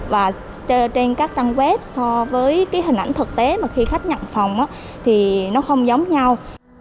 và trên các trang web so với cái hình ảnh thực tế mà khi khách nhận phòng thì nó không giống nhau